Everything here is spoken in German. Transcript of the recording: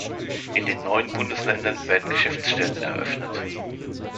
In den neuen Bundesländern werden Geschäftsstellen eröffnet.